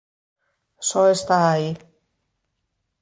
Só está aí.